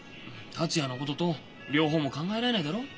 達也のことと両方も考えられないだろう？